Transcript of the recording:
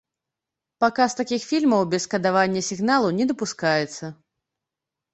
Паказ такіх фільмаў без кадавання сігналу не дапускаецца.